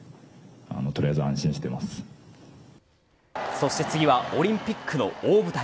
そして、次はオリンピックの大舞台。